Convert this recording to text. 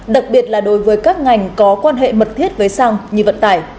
đặc biệt là đối với các ngành có quan hệ mật thiết với xăng như vận tải